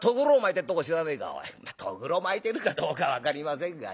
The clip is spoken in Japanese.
「とぐろ巻いてるかどうか分かりませんがね。